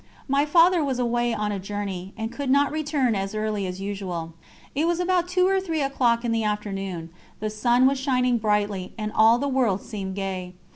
My Father was away on a journey, and could not return as early as usual. It was about two or three o'clock in the afternoon; the sun was shining brightly, and all the world seemed gay.